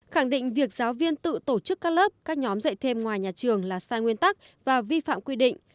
khẳng định việc giáo viên tự tổ chức các lớp các nhóm dạy thêm ngoài nhà trường là sai nguyên tắc và vi phạm quy định